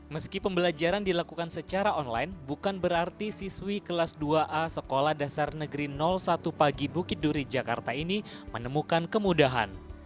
meski pembelajaran dilakukan secara online bukan berarti siswi kelas dua a sekolah dasar negeri satu pagi bukit duri jakarta ini menemukan kemudahan